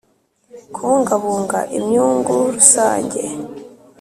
kubungabunga imyungu rusange